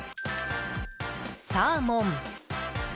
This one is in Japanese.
サーモン。